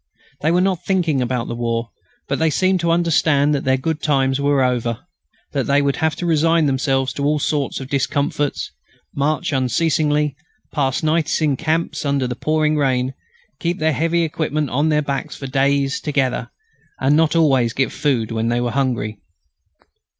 They were not thinking about the war, but they seemed to understand that their good times were over, that they would have to resign themselves to all sorts of discomforts, march unceasingly, pass nights in camps under the pouring rain, keep their heavy equipment on their backs for many days together, and not always get food when they were hungry.